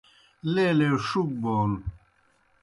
لیلے ݜُوک بون